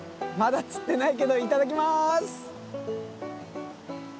まだ釣ってないけどいただきます！